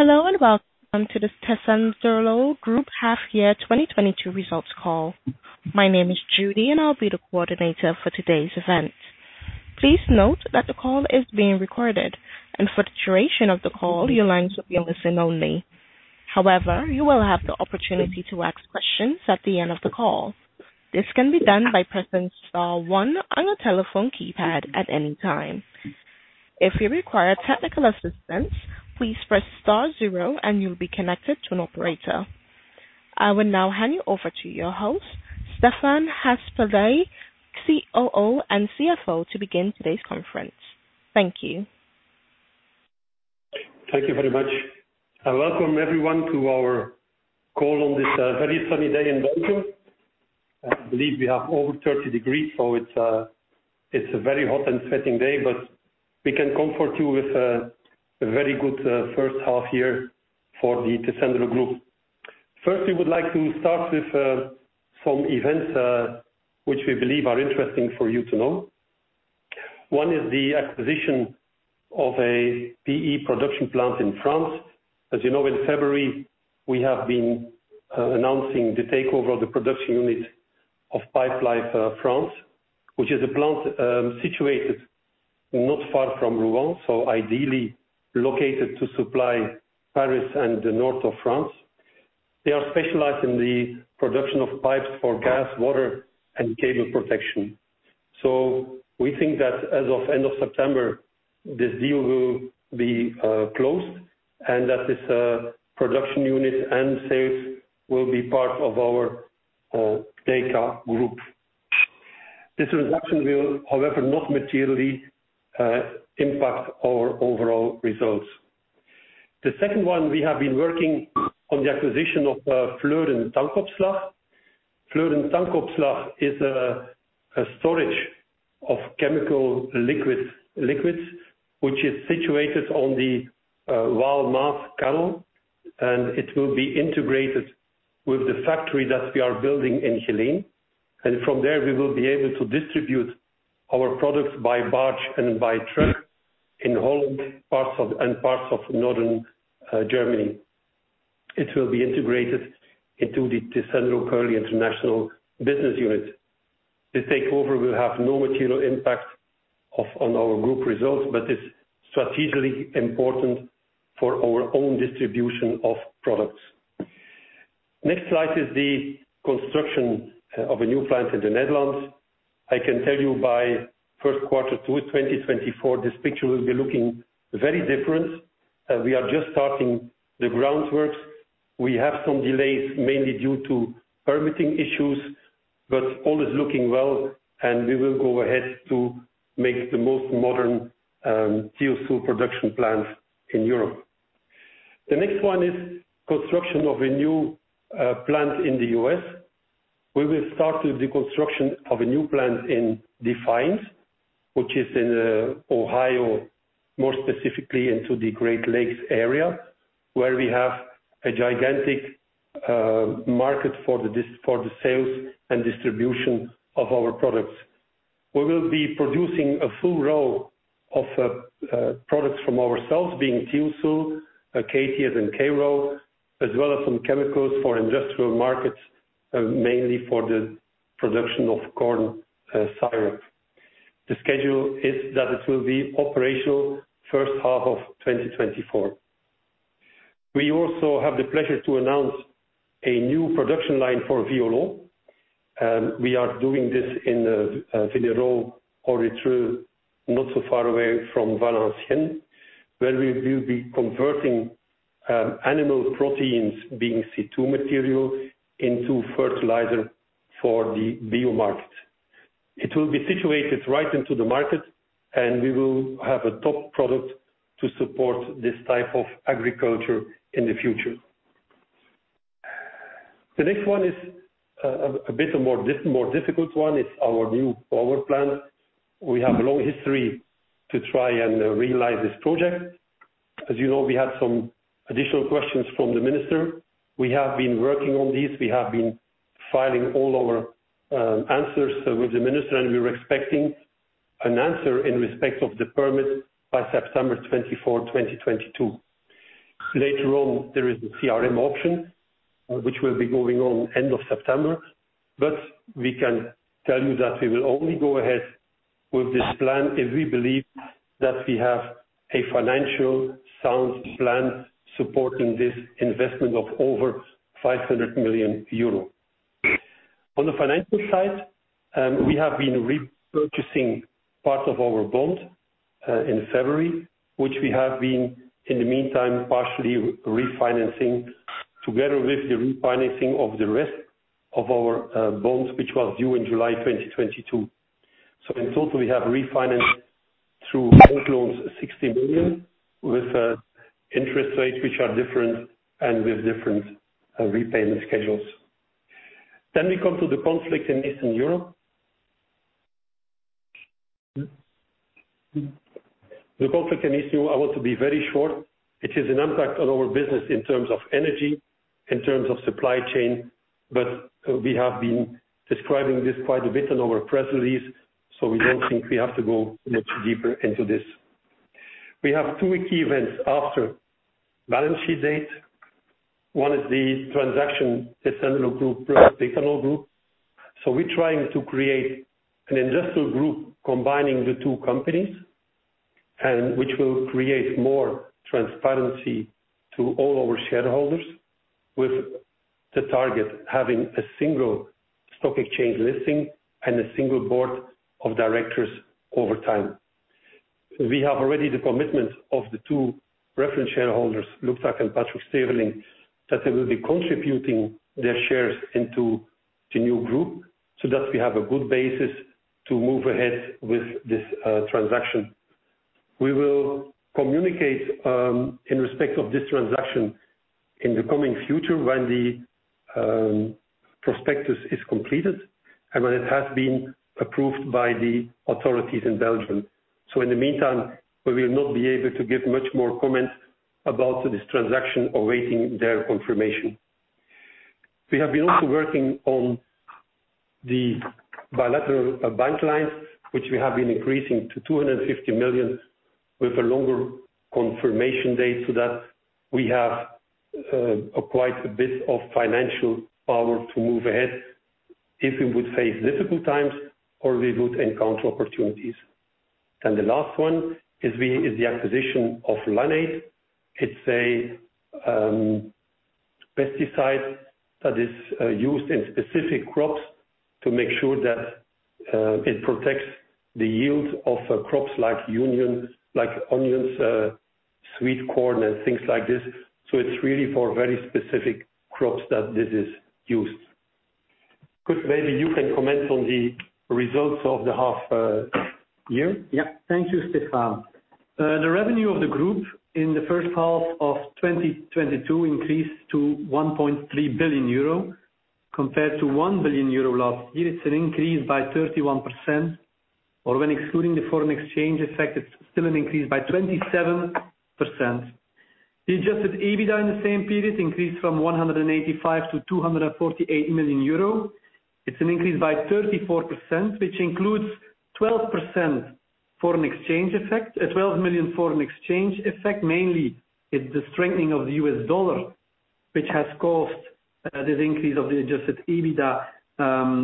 Hello, and welcome to the Tessenderlo Group Half Year 2022 results call. My name is Judy, and I'll be the coordinator for today's event. Please note that the call is being recorded. For the duration of the call, your lines will be listen only. However, you will have the opportunity to ask questions at the end of the call. This can be done by pressing star one on your telephone keypad at any time. If you require technical assistance, please press star zero and you'll be connected to an operator. I will now hand you over to your host, Stefaan Haspeslagh, COO and CFO, to begin today's conference. Thank you. Thank you very much. Welcome everyone to our call on this very sunny day in Belgium. I believe we have over 30 degrees, so it's a very hot and sweating day. We can comfort you with a very good first half year for the Tessenderlo Group. First, we would like to start with some events which we believe are interesting for you to know. One is the acquisition of a PE production plant in France. As you know, in February, we have been announcing the takeover of the production unit of Pipelife France, which is a plant situated not far from Rouen, so ideally located to supply Paris and the north of France. They are specialized in the production of pipes for gas, water and cable protection. We think that as of end of September, this deal will be closed, and that this production unit and sales will be part of our DYKA Group. This transaction will, however, not materially impact our overall results. The second one, we have been working on the acquisition of Fleuren Tankopslag. Fleuren Tankopslag is a storage of chemical liquids, which is situated on the Waal-Maas Canal, and it will be integrated with the factory that we are building in Geleen. From there, we will be able to distribute our products by barge and by truck in Holland, parts of, and parts of northern Germany. It will be integrated into the Tessenderlo Kerley International business unit. The takeover will have no material impact on our group results, but it's strategically important for our own distribution of products. Next slide is the construction of a new plant in the Netherlands. I can tell you by first quarter 2024, this picture will be looking very different. We are just starting the groundworks. We have some delays, mainly due to permitting issues, but all is looking well, and we will go ahead to make the most modern Thio-Sul production plant in Europe. The next one is construction of a new plant in the US. We will start with the construction of a new plant in Defiance, which is in Ohio, more specifically in the Great Lakes area, where we have a gigantic market for the sales and distribution of our products. We will be producing a full range of products from ourselves being Thio-Sul, KTS and CaTs, as well as some chemicals for industrial markets, mainly for the production of corn syrup. The schedule is that it will be operational first half of 2024. We also have the pleasure to announce a new production line for Violleau. We are doing this in Villers-Outréaux, Orry-le-Trou, not so far away from Valenciennes, where we will be converting animal proteins being Category 3 material into fertilizer for the bio market. It will be situated right in the market, and we will have a top product to support this type of agriculture in the future. The next one is a bit more difficult one. It's our new power plant. We have a long history to try and realize this project. As you know, we had some additional questions from the minister. We have been working on this. We have been filing all our answers with the minister, and we're expecting an answer in respect of the permit by September 24, 2022. Later on, there is a CRM option, which will be going on end of September. But we can tell you that we will only go ahead with this plan if we believe that we have a financially sound plan supporting this investment of over 500 million euro. On the financial side, we have been repurchasing part of our bond in February, which we have been, in the meantime, partially refinancing together with the refinancing of the rest of our bonds, which was due in July 2022. In total, we have refinanced through bank loans 60 million, with interest rates which are different and with different repayment schedules. We come to the conflict in Eastern Europe. The conflict in Eastern Europe, I want to be very short. It is an impact on our business in terms of energy. In terms of supply chain, but we have been describing this quite a bit in our press release, so we don't think we have to go much deeper into this. We have two key events after balance sheet date. One is the transaction, Picanol Group plus the Tessenderlo Group. We're trying to create an industrial group combining the two companies, and which will create more transparency to all our shareholders, with the target having a single stock exchange listing and a single board of directors over time. We have already the commitment of the two reference shareholders, Luc Tack and Patrick Steverlynck, that they will be contributing their shares into the new group, so that we have a good basis to move ahead with this transaction. We will communicate in respect of this transaction in the coming future when the prospectus is completed and when it has been approved by the authorities in Belgium. In the meantime, we will not be able to give much more comment about this transaction, awaiting their confirmation. We have been also working on the bilateral bank lines, which we have been increasing to 250 million, with a longer confirmation date, so that we have quite a bit of financial power to move ahead if we would face difficult times or we would encounter opportunities. The last one is the acquisition of Lannate. It's a pesticide that is used in specific crops to make sure that it protects the yield of crops like onions, sweet corn, and things like this. It's really for very specific crops that this is used. Kurt, maybe you can comment on the results of the half year. Yeah. Thank you, Stefaan. The revenue of the group in the first half of 2022 increased to 1.3 billion euro compared to 1 billion euro last year. It's an increase by 31%, or when excluding the foreign exchange effect, it's still an increase by 27%. The adjusted EBITDA in the same period increased from 185 to 248 million euro. It's an increase by 34%, which includes 12% foreign exchange effect. A 12 million foreign exchange effect, mainly is the strengthening of the U.S. dollar, which has caused this increase of the adjusted EBITDA.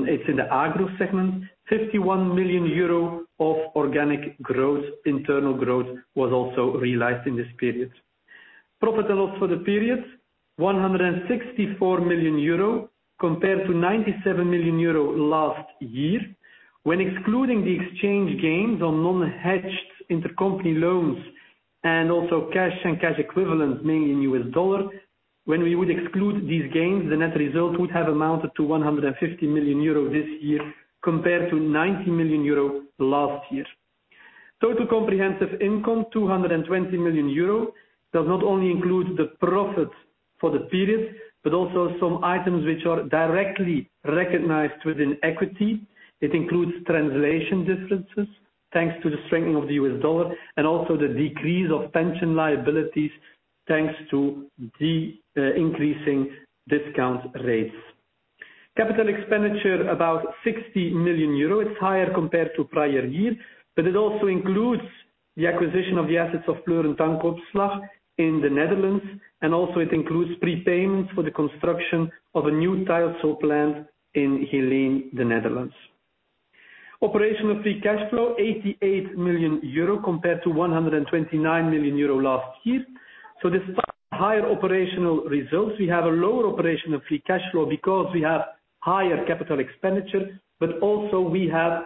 It's in the Agro segment. 51 million euro of organic growth, internal growth, was also realized in this period. Profit and loss for the period, 164 million euro, compared to 97 million euro last year. When excluding the exchange gains on non-hedged intercompany loans and also cash and cash equivalents, mainly in U.S. dollar. When we would exclude these gains, the net result would have amounted to 150 million euro this year, compared to 90 million euro last year. Total comprehensive income, 220 million euro, does not only include the profit for the period, but also some items which are directly recognized within equity. It includes translation differences, thanks to the strengthening of the U.S. dollar, and also the decrease of pension liabilities, thanks to the increasing discount rates. Capital expenditure about 60 million euro. It's higher compared to prior year, but it also includes the acquisition of the assets of Fleuren Tankopslag in the Netherlands, and also it includes prepayments for the construction of a new Thio-Sul plant in Geleen, the Netherlands. Operational free cash flow, 88 million euro, compared to 129 million euro last year. Despite higher operational results, we have a lower operational free cash flow because we have higher capital expenditure, but also we have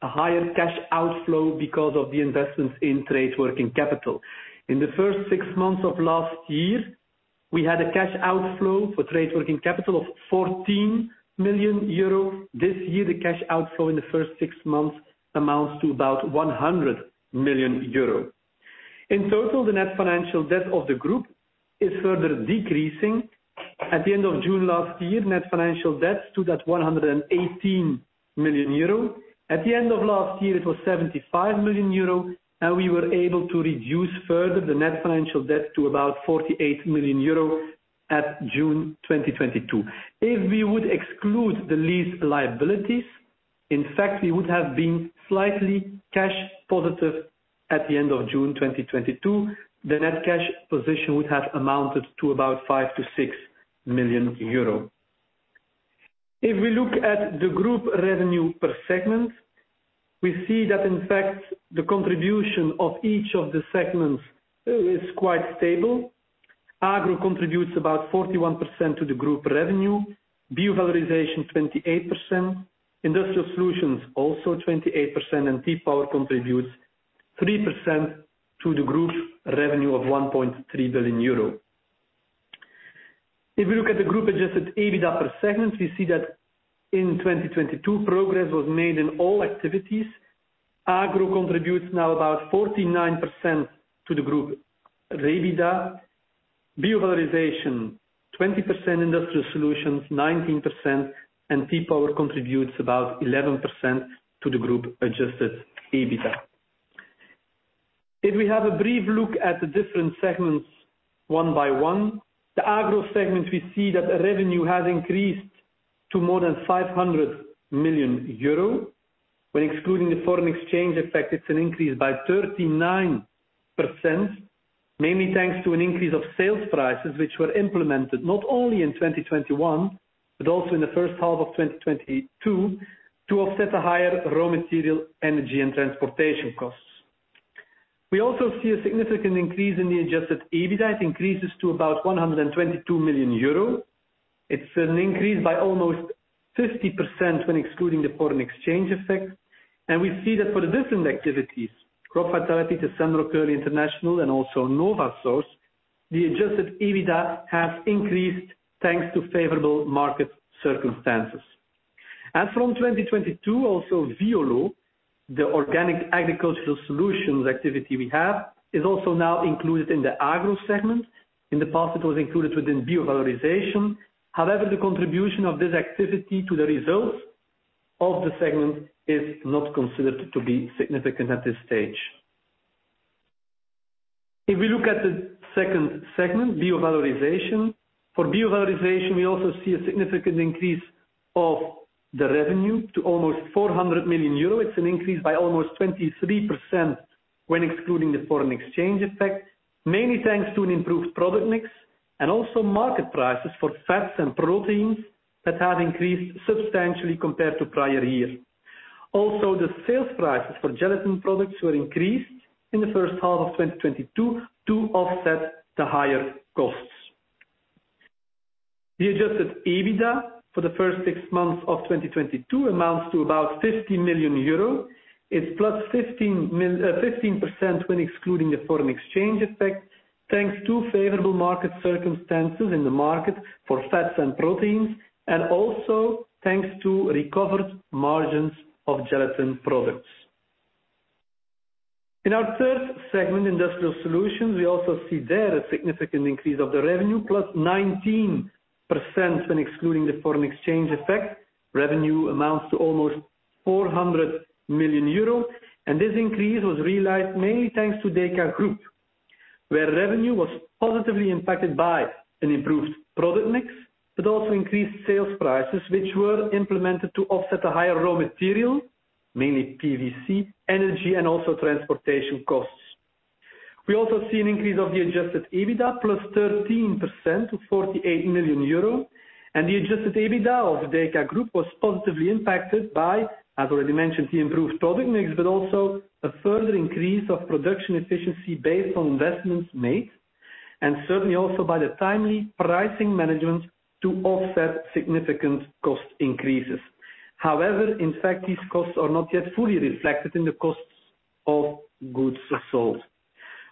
a higher cash outflow because of the investments in trade working capital. In the first six months of last year, we had a cash outflow for trade working capital of 14 million euro. This year, the cash outflow in the first six months amounts to about 100 million euro. In total, the net financial debt of the group is further decreasing. At the end of June last year, net financial debt stood at 118 million euro. At the end of last year, it was 75 million euro, and we were able to reduce further the net financial debt to about 48 million euro at June 2022. If we would exclude the lease liabilities, in fact, we would have been slightly cash positive at the end of June 2022. The net cash position would have amounted to about 5 million-6 million euro. If we look at the group revenue per segment, we see that in fact, the contribution of each of the segments is quite stable. Agro contributes about 41% to the group revenue, Bio-valorization 28%, Industrial Solutions also 28%, and T-Power contributes 3% to the group's revenue of 1.3 billion euro. If you look at the group adjusted EBITDA per segment, we see that in 2022, progress was made in all activities. Agro contributes now about 49% to the group EBITDA. Bio-valorization 20%, Industrial Solutions 19%, and T-Power contributes about 11% to the group adjusted EBITDA. If we have a brief look at the different segments one by one, the Agro segment, we see that the revenue has increased to more than 500 million euro. When excluding the foreign exchange effect, it's an increase by 39%, mainly thanks to an increase of sales prices which were implemented not only in 2021, but also in the first half of 2022, to offset the higher raw material, energy, and transportation costs. We also see a significant increase in the adjusted EBITDA. It increases to about 122 million euro. It's an increase by almost 50% when excluding the foreign exchange effect. We see that for the different activities, Crop Vitality, Tessenderlo Kerley International, and also NovaSource, the adjusted EBITDA has increased thanks to favorable market circumstances. As from 2022, also Violleau, the organic agricultural solutions activity we have, is also now included in the Agro segment. In the past, it was included within Bio-valorization. However, the contribution of this activity to the results of the segment is not considered to be significant at this stage. If we look at the second segment, Bio-valorization. For Bio-valorization, we also see a significant increase of the revenue to almost 400 million euros. It's an increase by almost 23% when excluding the foreign exchange effect, mainly thanks to an improved product mix and also market prices for fats and proteins that have increased substantially compared to prior years. The sales prices for gelatin products were increased in the first half of 2022 to offset the higher costs. The adjusted EBITDA for the first six months of 2022 amounts to about 50 million euros. It's +15% when excluding the foreign exchange effect, thanks to favorable market circumstances in the market for fats and proteins, and also thanks to recovered margins of gelatin products. In our third segment, Industrial Solutions, we also see there a significant increase of the revenue, +19% when excluding the foreign exchange effect. Revenue amounts to almost 400 million euro, and this increase was realized mainly thanks to DYKA Group, where revenue was positively impacted by an improved product mix, but also increased sales prices which were implemented to offset the higher raw material, mainly PVC, energy, and also transportation costs. We also see an increase of the adjusted EBITDA, +13% to 48 million euro. The adjusted EBITDA of the DYKA Group was positively impacted by, as already mentioned, the improved product mix, but also a further increase of production efficiency based on investments made, and certainly also by the timely pricing management to offset significant cost increases. However, in fact, these costs are not yet fully reflected in the costs of goods sold.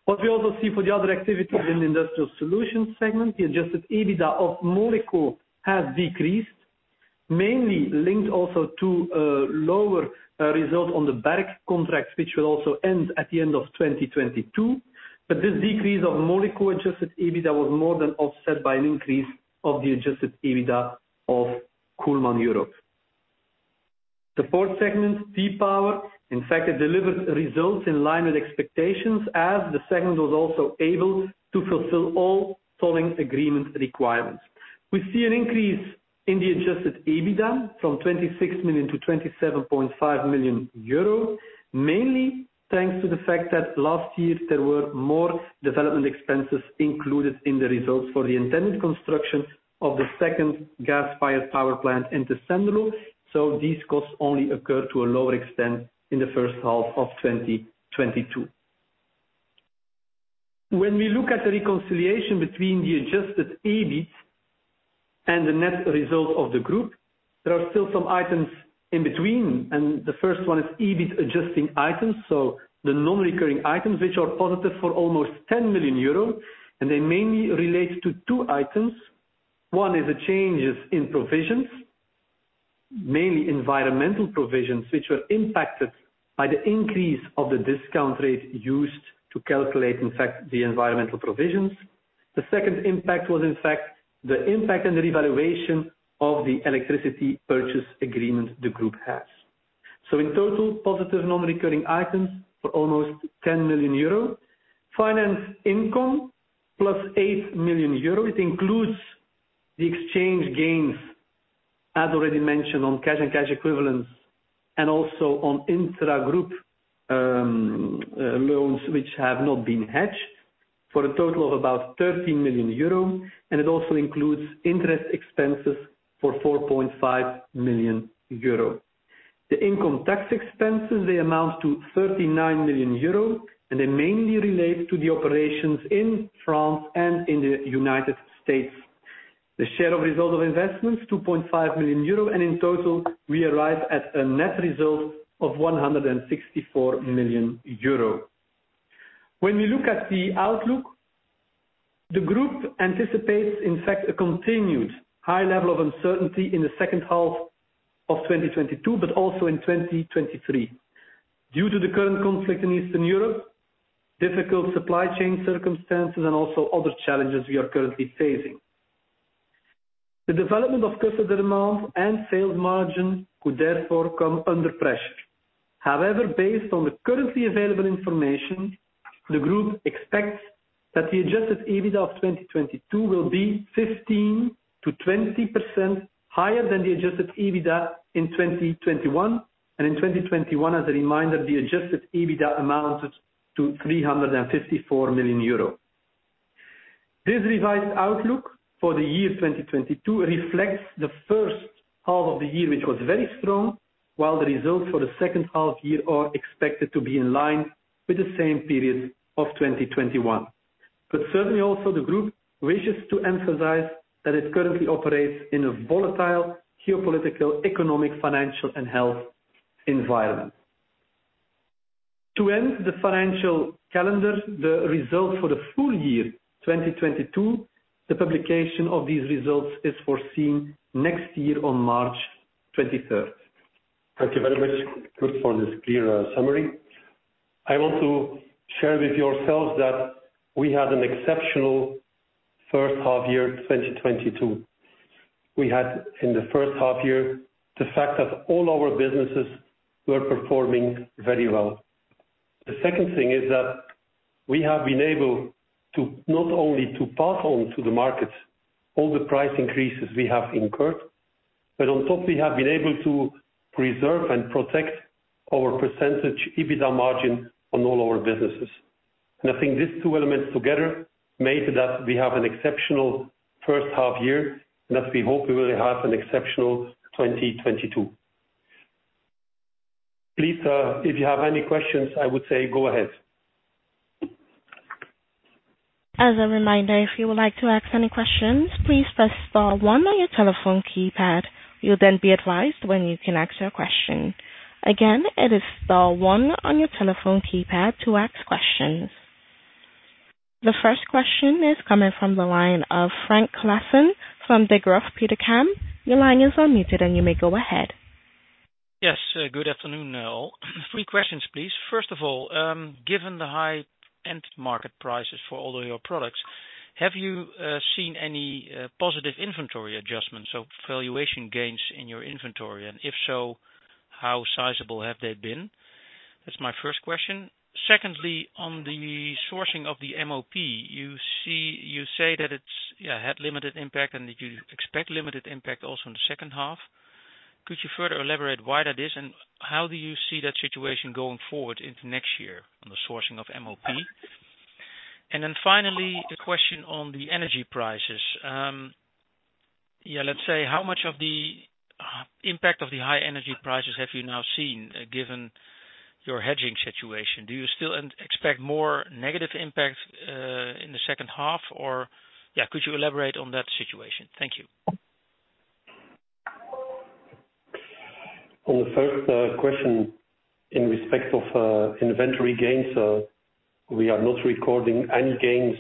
What we also see for the other activities in the Industrial Solutions segment, the adjusted EBITDA of Moleko has decreased, mainly linked also to a lower result on the Barrick contract, which will also end at the end of 2022. This decrease of Moleko adjusted EBITDA was more than offset by an increase of the adjusted EBITDA of Kuhlmann Europe. The fourth segment, T-Power, in fact, it delivered results in line with expectations, as the segment was also able to fulfill all tolling agreement requirements. We see an increase in the adjusted EBITDA from 26 million to 27.5 million euro, mainly thanks to the fact that last year there were more development expenses included in the results for the intended construction of the second gas-fired power plant in Tessenderlo, so these costs only occur to a lower extent in the first half of 2022. When we look at the reconciliation between the adjusted EBIT and the net result of the group, there are still some items in between, and the first one is EBIT-adjusting items, so the non-recurring items, which are positive for almost 10 million euros, and they mainly relate to two items. One is the changes in provisions, mainly environmental provisions, which were impacted by the increase of the discount rate used to calculate, in fact, the environmental provisions. The second impact was, in fact, the impact and the revaluation of the electricity purchase agreement the group has. In total, positive non-recurring items for almost 10 million euro. Finance income, +8 million euro. It includes the exchange gains, as already mentioned, on cash and cash equivalents, and also on intra-group loans which have not been hedged, for a total of about 13 million euro, and it also includes interest expenses for 4.5 million euro. The income tax expenses, they amount to 39 million euro, and they mainly relate to the operations in France and in the United States. The share of result of investments, 2.5 million euro, and in total, we arrive at a net result of 164 million euro. When we look at the outlook, the group anticipates, in fact, a continued high level of uncertainty in the second half of 2022, but also in 2023, due to the current conflict in Eastern Europe, difficult supply chain circumstances, and also other challenges we are currently facing. The development of customer demand and sales margin could therefore come under pressure. However, based on the currently available information, the group expects that the adjusted EBITDA of 2022 will be 15%-20% higher than the adjusted EBITDA in 2021. In 2021, as a reminder, the adjusted EBITDA amounted to 354 million euro. This revised outlook for the year 2022 reflects the first half of the year, which was very strong, while the results for the second half year are expected to be in line with the same period of 2021. Certainly also the group wishes to emphasize that it currently operates in a volatile geopolitical, economic, financial and health environment. To end the financial calendar, the results for the full year 2022, the publication of these results is foreseen next year on March 23. Thank you very much, Kurt, for this clear summary. I want to share with yourselves that we had an exceptional first half year, 2022. We had in the first half year the fact that all our businesses were performing very well. The second thing is that we have been able to not only to pass on to the markets all the price increases we have incurred, but on top we have been able to preserve and protect our percentage EBITDA margin on all our businesses. I think these two elements together made that we have an exceptional first half year and that we hope we will have an exceptional 2022. Please, if you have any questions, I would say go ahead. As a reminder, if you would like to ask any questions, please press star one on your telephone keypad. You'll then be advised when you can ask your question. Again, it is star one on your telephone keypad to ask questions. The first question is coming from the line of Frank Claassen from Degroof Petercam. Your line is unmuted and you may go ahead.whi Yes, good afternoon all. Three questions, please. First of all, given the high-end market prices for all of your products, have you seen any positive inventory adjustments or valuation gains in your inventory? If so, how sizable have they been? That's my first question. Secondly, on the sourcing of the MOP, you say that it's had limited impact and that you expect limited impact also in the second half. Could you further elaborate why that is and how do you see that situation going forward into next year on the sourcing of MOP? Finally, a question on the energy prices. Let's say, how much of the impact of the high energy prices have you now seen, given your hedging situation? Do you still expect more negative impacts in the second half? Yeah, could you elaborate on that situation? Thank you. On the first question in respect of inventory gains, we are not recording any gains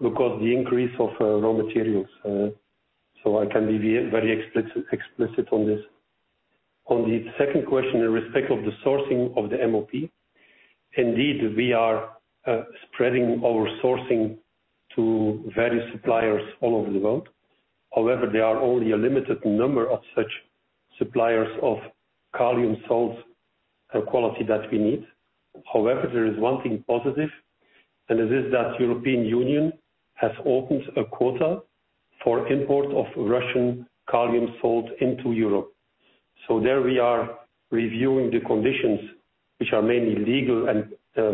because the increase of raw materials. I can be very explicit on this. On the second question in respect of the sourcing of the MOP. Indeed, we are spreading our sourcing to various suppliers all over the world. However, there are only a limited number of such suppliers of potassium salt, a quality that we need. However, there is one thing positive, and it is that European Union has opened a quota for import of Russian potassium salt into Europe. There we are reviewing the conditions which are mainly legal and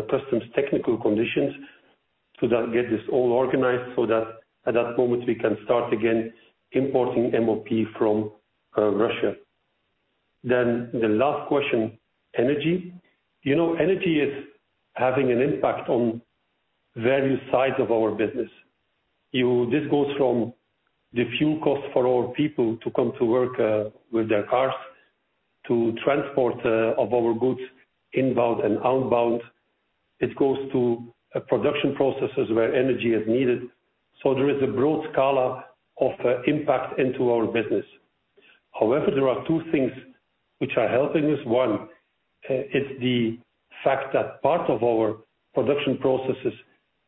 customs technical conditions to then get this all organized, so that at that moment we can start again importing MOP from Russia. The last question, energy. You know, energy is having an impact on various sides of our business. This goes from the fuel cost for our people to come to work with their cars, to transport of our goods inbound and outbound. It goes to production processes where energy is needed. There is a broad scale of impact into our business. However, there are two things which are helping us. One, it's the fact that part of our production processes,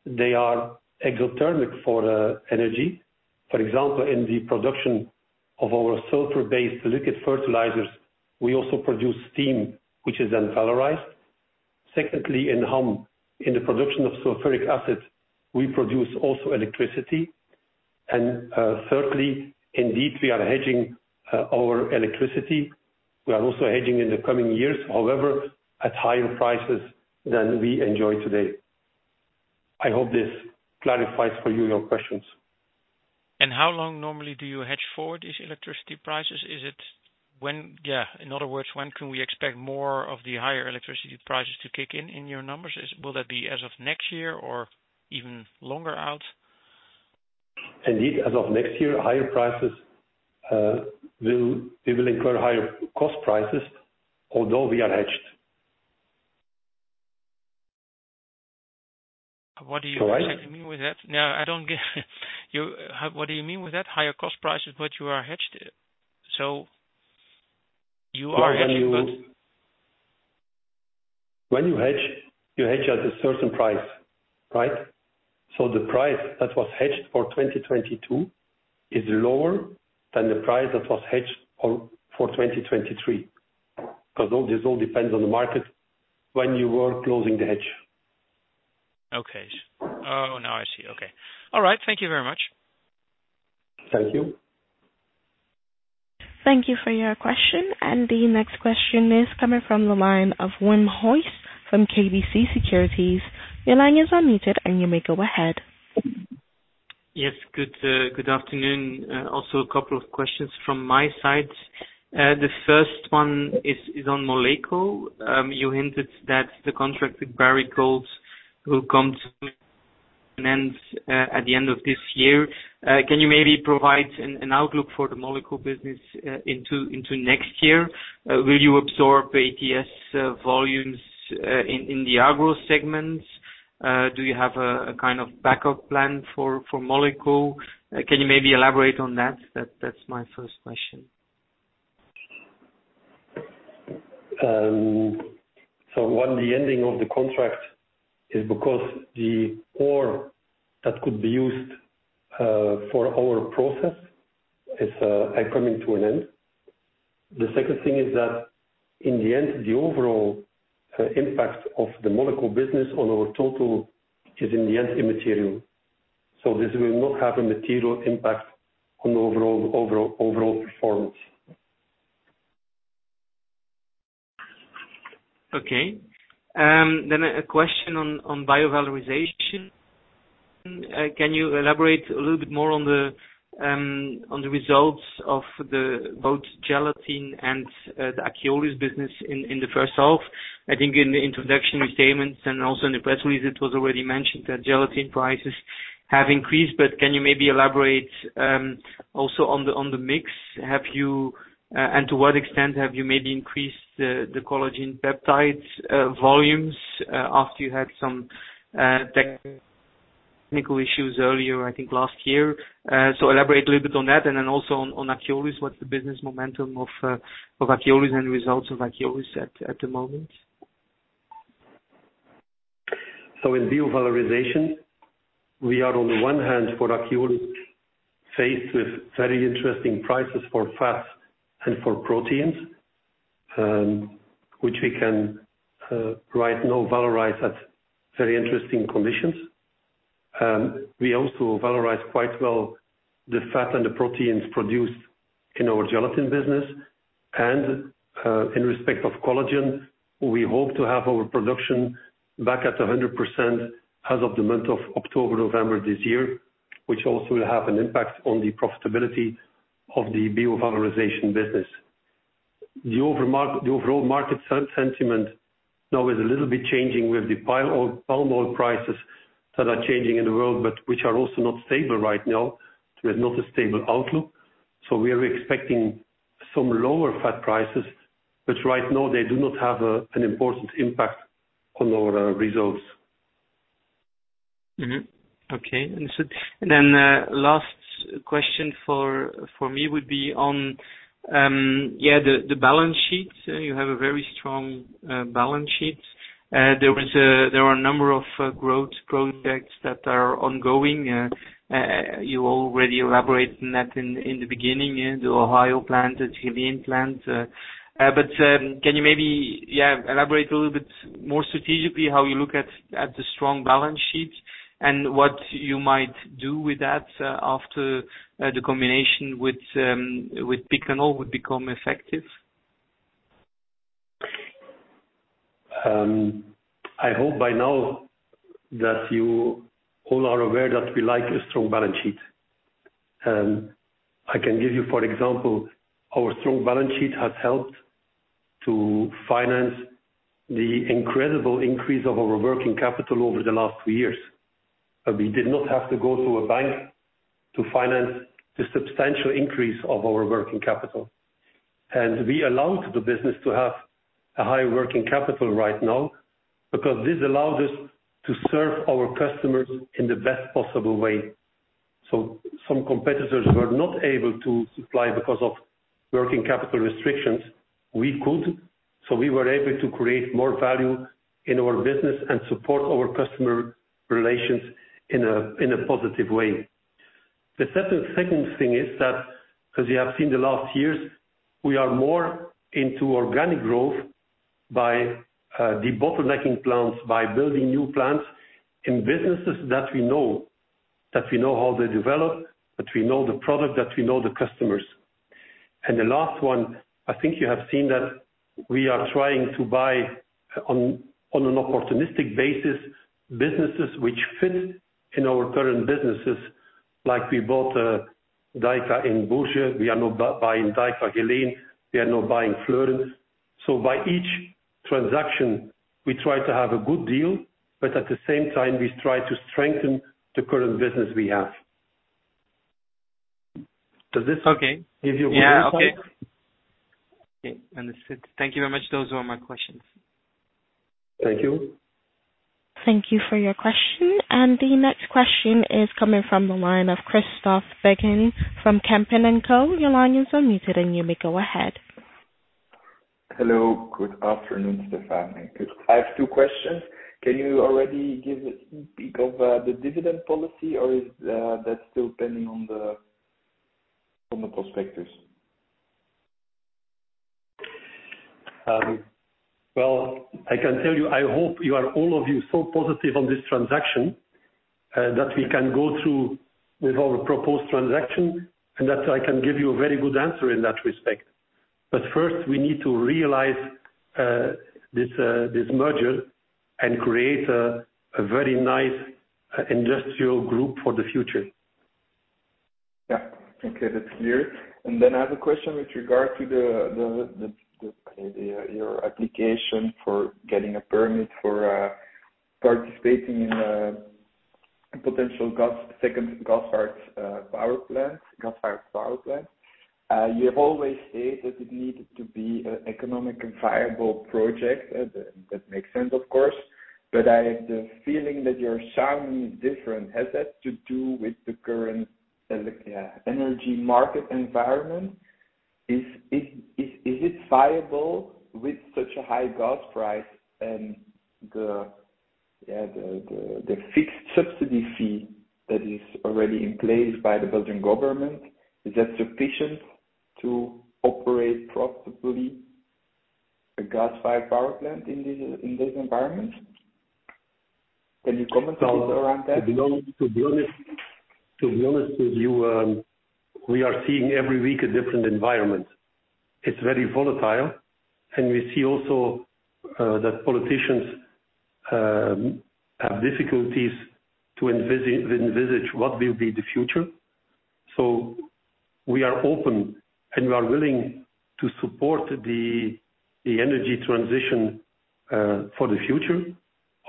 they are exothermic for energy. For example, in the production of our sulfur-based liquid fertilizers, we also produce steam, which is then valorized. Secondly, in Ham, in the production of sulfuric acid, we produce also electricity. Thirdly, indeed, we are hedging our electricity. We are also hedging in the coming years, however, at higher prices than we enjoy today. I hope this clarifies for you your questions. How long normally do you hedge for these electricity prices? In other words, when can we expect more of the higher electricity prices to kick in in your numbers? Will that be as of next year or even longer out? Indeed, as of next year, higher prices, we will incur higher cost prices, although we are hedged. What do you exactly mean with that? Now, I don't get. What do you mean with that? Higher cost prices, but you are hedged. You are hedged, but- When you hedge, you hedge at a certain price, right? The price that was hedged for 2022 is lower than the price that was hedged for 2023. 'Cause all this depends on the market when you were closing the hedge. Okay. Oh, now I see. Okay. All right. Thank you very much. Thank you. Thank you for your question. The next question is coming from the line of Wim Hoste from KBC Securities. Your line is unmuted, and you may go ahead. Yes. Good afternoon. Also a couple of questions from my side. The first one is on Moleko. You hinted that the contract with Barrick Gold will come to an end at the end of this year. Can you maybe provide an outlook for the Moleko business into next year? Will you absorb ATS volumes in the Agro segments? Do you have a kind of backup plan for Moleko? Can you maybe elaborate on that? That's my first question. One, the ending of the contract is because the ore that could be used for our process is coming to an end. The second thing is that in the end, the overall impact of the Moleko business on our total is in the end immaterial. This will not have a material impact on the overall performance. Okay. A question on Bio-valorization. Can you elaborate a little bit more on the results of both gelatin and the Akiolis business in the first half? I think in the introduction statements and also in the press release, it was already mentioned that gelatin prices have increased, but can you maybe elaborate also on the mix? And to what extent have you maybe increased the collagen peptides volumes after you had some technical issues earlier, I think last year. Elaborate a little bit on that, and then also on Akiolis. What's the business momentum of Akiolis and results of Akiolis at the moment? In bio-valorization we are on the one hand for Akiolis faced with very interesting prices for fats and for proteins, which we can right now valorize at very interesting conditions. We also valorize quite well the fat and the proteins produced in our gelatin business. In respect of collagen, we hope to have our production back at 100% as of the month of October, November this year, which also will have an impact on the profitability of the bio-valorization business. The overall market sentiment now is a little bit changing with the palm oil prices that are changing in the world, but which are also not stable right now. There's not a stable outlook, so we are expecting some lower fat prices, but right now they do not have an important impact on our results. Okay. Understood. Last question for me would be on, yeah, the balance sheet. You have a very strong balance sheet. There are a number of growth projects that are ongoing. You already elaborated on that in the beginning, the Ohio plant, the Geleen plant. But can you maybe, yeah, elaborate a little bit more strategically how you look at the strong balance sheet and what you might do with that, after the combination with Picanol would become effective? I hope by now that you all are aware that we like a strong balance sheet. I can give you for example, our strong balance sheet has helped to finance the incredible increase of our working capital over the last two years. We did not have to go to a bank to finance the substantial increase of our working capital. We allowed the business to have a high working capital right now because this allows us to serve our customers in the best possible way. Some competitors were not able to supply because of working capital restrictions. We could. We were able to create more value in our business and support our customer relations in a positive way. The second thing is that as you have seen the last years, we are more into organic growth by debottlenecking plants, by building new plants in businesses that we know, that we know how they develop, that we know the product, that we know the customers. The last one, I think you have seen that we are trying to buy on an opportunistic basis, businesses which fit in our current businesses. Like we bought DYKA in Bourges, we are now buying DYKA Geleen, we are now buying Fleuren. By each transaction we try to have a good deal, but at the same time we try to strengthen the current business we have. Does this? Okay. Give you a good insight? Yeah. Okay. Understood. Thank you very much. Those were my questions. Thank you. Thank you for your question. The next question is coming from the line of Christophe Beghin from Kempen & Co. Your line is unmuted and you may go ahead. Hello. Good afternoon, Stefaan. I have two questions. Can you already give a sneak peek of the dividend policy or is that still pending on the prospectus? Well, I can tell you, I hope you are all of you so positive on this transaction that we can go through with our proposed transaction and that I can give you a very good answer in that respect. First, we need to realize this merger and create a very nice industrial group for the future. Yeah, okay. That's clear. I have a question with regard to the your application for getting a permit for participating in a potential second gas-fired power plant. You have always said that it needed to be an economic and viable project. That makes sense, of course, but I have the feeling that you're sounding different. Has that to do with the current energy market environment? Is it viable with such a high gas price and the fixed subsidy fee that is already in place by the Belgian government? Is that sufficient to operate profitably a gas-fired power plant in this environment? Can you comment a bit around that? To be honest with you, we are seeing every week a different environment. It's very volatile, and we see also that politicians have difficulties to envisage what will be the future. We are open, and we are willing to support the energy transition for the future.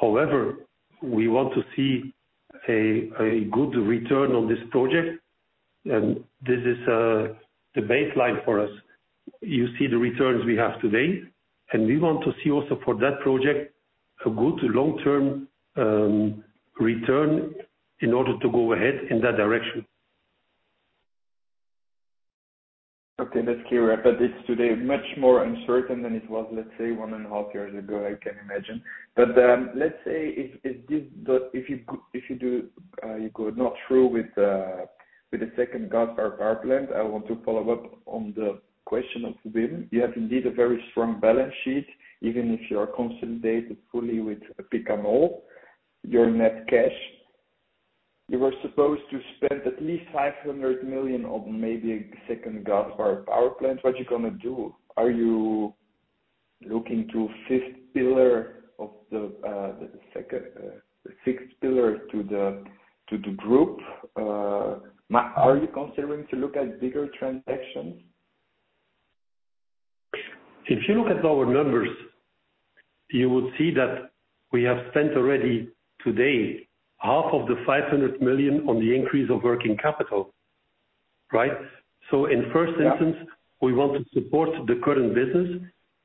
However, we want to see a good return on this project, and this is the baseline for us. You see the returns we have today, and we want to see also for that project a good long-term return in order to go ahead in that direction. Okay. That's clear. It's much more uncertain today than it was, let's say, 1.5 years ago. I can imagine. Let's say if you don't go through with the second gas or power plant, I want to follow up on the question of Wim. You have indeed a very strong balance sheet, even if you are fully consolidated with Picanol. Your net cash, you were supposed to spend at least 500 million on maybe a second gas or power plant. What you gonna do? Are you looking to add a fifth pillar or a sixth pillar to the group? Are you considering to look at bigger transactions? If you look at our numbers, you will see that we have spent already today half of the 500 million on the increase of working capital, right? In first instance. Yeah. We want to support the current business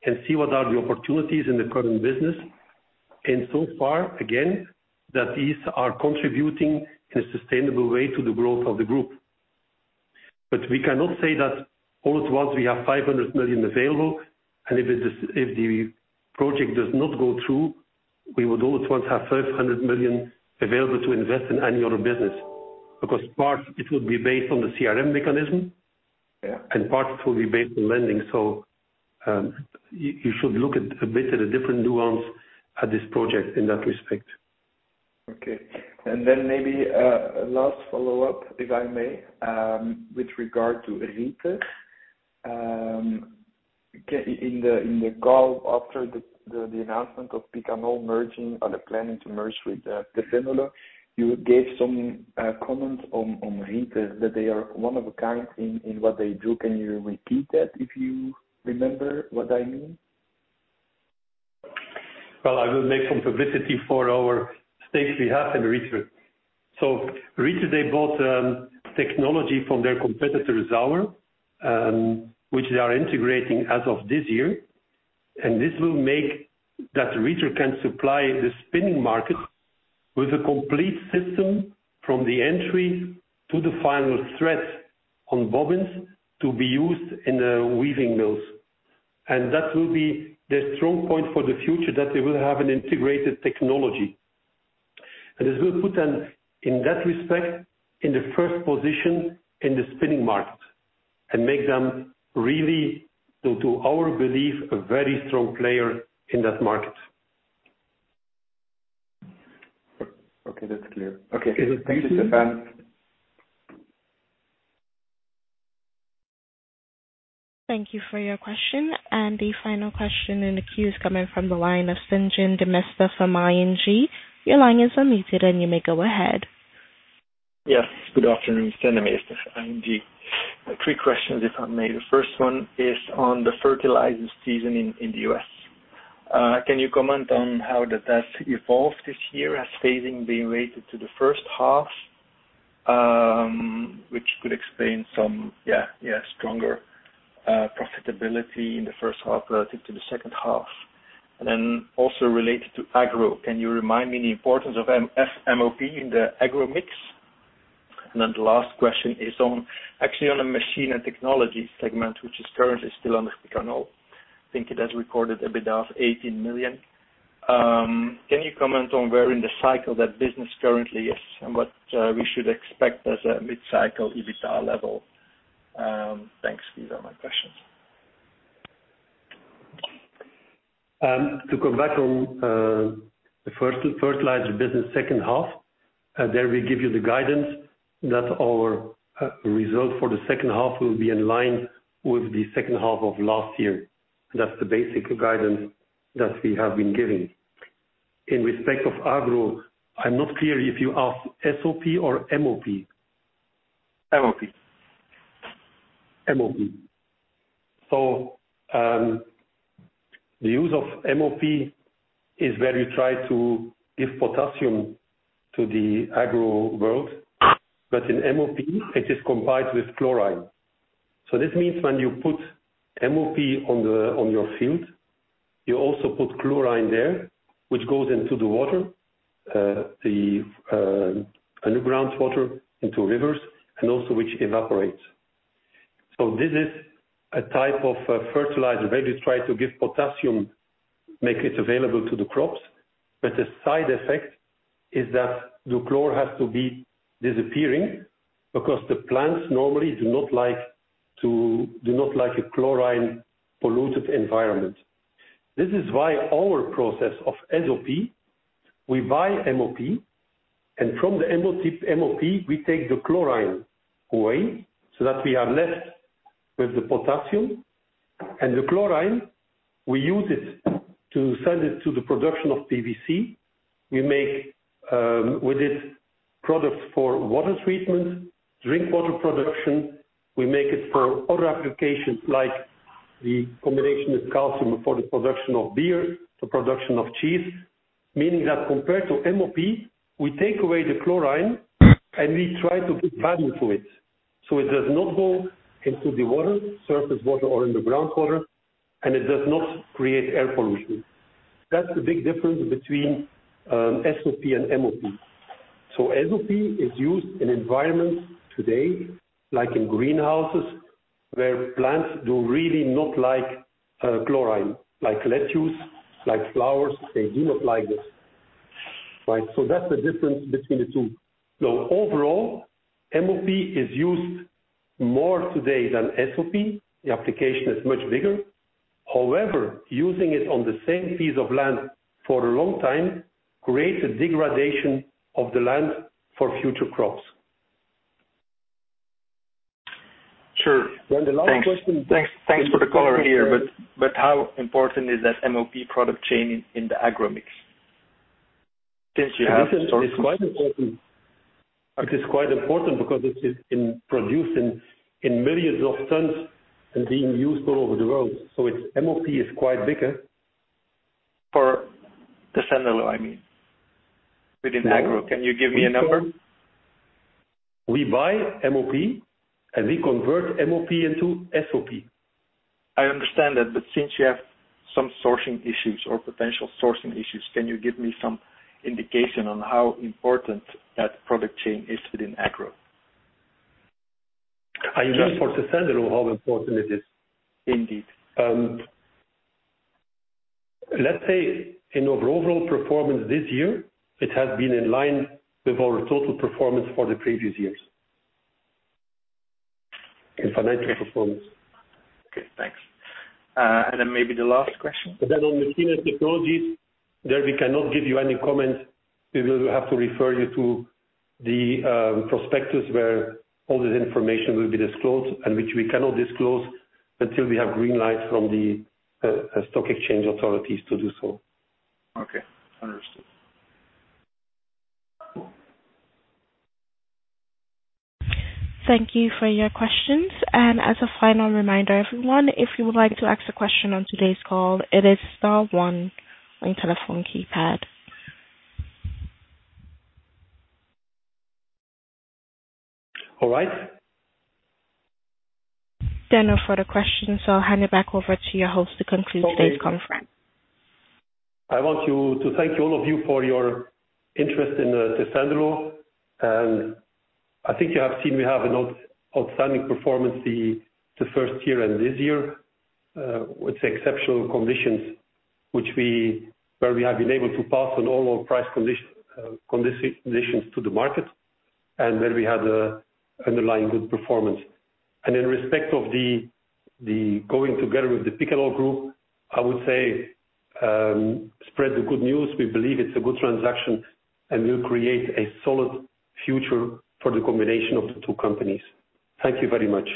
and see what are the opportunities in the current business. So far, again, that these are contributing in a sustainable way to the growth of the group. We cannot say that all at once, we have 500 million available, and if the project does not go through, we would all at once have 500 million available to invest in annual business. Because part, it will be based on the CRM mechanism. Yeah. Part will be based on lending. You should look at a bit of a different nuance at this project in that respect. Okay. Maybe a last follow-up, if I may, with regard to Rieter. In the call after the announcement of Picanol merging or the planning to merge with Tessenderlo, you gave some comments on Rieter, that they are one of a kind in what they do. Can you repeat that, if you remember what I mean? Well, I will make some publicity for our stakes we have in Rieter. Rieter, they bought technology from their competitor Saurer, which they are integrating as of this year. This will make that Rieter can supply the spinning market with a complete system from the entry to the final thread on bobbins to be used in the weaving mills. That will be their strong point for the future, that they will have an integrated technology. This will put them, in that respect, in the first position in the spinning market and make them really, to our belief, a very strong player in that market. Okay, that's clear. Okay. Thank you, Stefaan. Thank you for your question. The final question in the queue is coming from the line of Stijn Demeester from ING. Your line is unmuted, and you may go ahead. Yes. Good afternoon. Stijn Demeester, ING. three questions, if I may. The first one is on the fertilizers season in the US. Can you comment on how that has evolved this year, phasing being related to the first half? Which could explain some stronger profitability in the first half relative to the second half. Also related to Agro, can you remind me the importance of MOP in the Agro mix? The last question is on actually the Machine and Technology segment, which is currently still on the spreadsheet. I know I think it has recorded a bit of 18 million. Can you comment on where in the cycle that business currently is and what we should expect as a mid-cycle EBITDA level? Thanks. These are my questions. To come back on the first fertilizer business second half, there we give you the guidance that our result for the second half will be in line with the second half of last year. That's the basic guidance that we have been giving. In respect of agro, I'm not clear if you ask SOP or MOP? MOP. MOP. The use of MOP is where you try to give potassium to the agro world. In MOP, it is combined with chloride. This means when you put MOP on your field, you also put chlorine there, which goes into the water, the underground water, into rivers, and also which evaporates. This is a type of fertilizer where you try to give potassium, make it available to the crops, but the side effect is that the chlor has to be disappearing because the plants normally do not like a chlorine polluted environment. This is why our process of SOP, we buy MOP, and from the MOP we take the chlorine away so that we are left with the potassium. The chlorine, we use it to send it to the production of PVC. We make with it products for water treatment, drink water production. We make it for other applications like the combination with calcium for the production of beer, for production of cheese. Meaning that compared to MOP, we take away the chlorine, and we try to put value to it. It does not go into the water, surface water or in the ground water, and it does not create air pollution. That's the big difference between SOP and MOP. SOP is used in environments today, like in greenhouses, where plants do really not like chlorine, like lettuce, like flowers, they do not like this, right? That's the difference between the two. Now overall, MOP is used more today than SOP. The application is much bigger. However, using it on the same piece of land for a long time creates a degradation of the land for future crops. Sure. The last question. Thanks for the color here, but how important is that MOP product chain in the agro mix? Since you have- This is quite important because it is produced in millions of tons and being used all over the world, so its MOP is quite bigger. For the Tessenderlo, I mean, within Agro. Can you give me a number? We buy MOP, and we convert MOP into SOP. I understand that, but since you have some sourcing issues or potential sourcing issues, can you give me some indication on how important that product chain is within Agro? Are you asking for Tessenderlo, how important it is? Indeed. Let's say in our overall performance this year, it has been in line with our total performance for the previous years. In financial performance. Okay, thanks. Maybe the last question. On machines and technologies, there we cannot give you any comments. We will have to refer you to the prospectus where all this information will be disclosed, and which we cannot disclose until we have green light from the stock exchange authorities to do so. Okay. Understood. Cool. Thank you for your questions. As a final reminder, everyone, if you would like to ask a question on today's call, it is star one on your telephone keypad. All right. There are no further questions, so I'll hand it back over to your host to conclude today's conference. I want to thank all of you for your interest in Tessenderlo. I think you have seen me have an outstanding performance the first year and this year with exceptional conditions which we have been able to pass on all our price conditions to the market and where we had a underlying good performance. In respect of the going together with the Picanol Group, I would say, spread the good news. We believe it's a good transaction, and we'll create a solid future for the combination of the two companies. Thank you very much.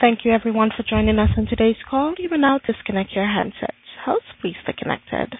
Thank you everyone for joining us on today's call. You may now disconnect your handsets. Host, please stay connected.